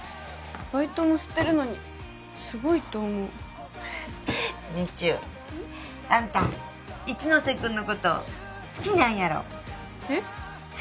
バイトもしてるのにすごいと思うみちゅあんた一ノ瀬君のこと好きなんやろえっ？